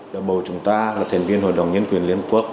đầu bầu chúng ta là thành viên hội đồng nhân quyền liên quốc